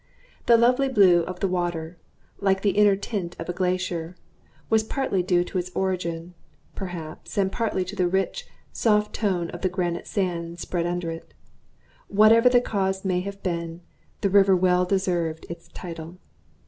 The lovely blue of the water (like the inner tint of a glacier) was partly due to its origin, perhaps, and partly to the rich, soft tone of the granite sand spread under it. Whatever the cause may have been, the river well deserved its title.